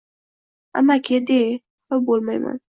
Amaki de, xafa bo’lmayman